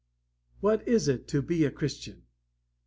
What is it to be a Christian?